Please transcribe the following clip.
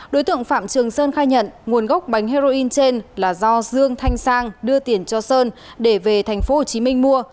đối tượng phạm trường sơn khai nhận nguồn gốc bánh heroin trên là do dương thanh sang đưa tiền cho sơn để về tp hcm mua